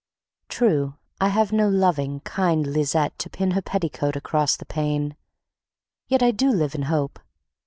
True, I have no loving, kind Lisette to pin her petticoat across the pane, yet I do live in hope.